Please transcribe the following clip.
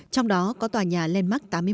trong đó có tòa nhà landmark tám mươi một